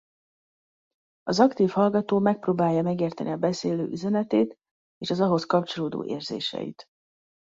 Az aktív hallgató megpróbálja megérteni a beszélő üzenetét és az ahhoz kapcsolódó érzéseit.